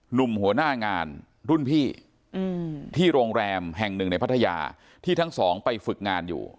หัวหน้างานรุ่นพี่ที่โรงแรมแห่งหนึ่งในพัทยาที่ทั้งสองไปฝึกงานอยู่